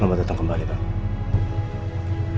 selamat datang kembali pak